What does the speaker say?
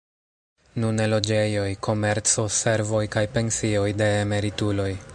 Nune loĝejoj, komerco, servoj kaj pensioj de emerituloj.